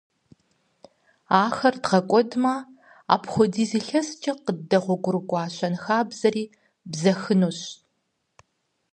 Ахэр дгъэкӀуэдмэ, апхуэдиз илъэскӀэ къыддэгъуэгурыкӀуа щэнхабзэри бзэхынущ.